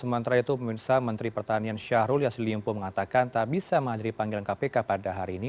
sementara itu pemirsa menteri pertanian syahrul yassin limpo mengatakan tak bisa menghadiri panggilan kpk pada hari ini